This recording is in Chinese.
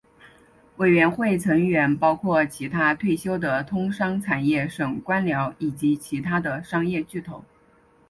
委员会成员包括其它退休的通商产业省官僚以及其它的商业巨头。